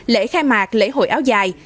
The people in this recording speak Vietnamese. lễ khai mạc lễ hội áo dài